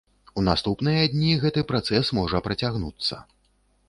У наступныя дні гэты працэс можа працягнуцца.